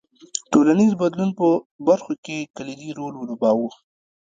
ټولنیز بدلون په برخو کې کلیدي رول ولوباوه.